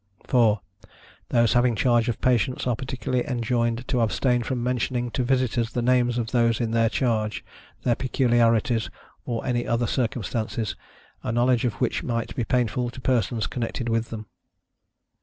4. Those having charge of patients are particularly enjoined to abstain from mentioning to visitors the names of those in their charge, their peculiarities, or any other circumstances, a knowledge of which might be painful to persons connected with them.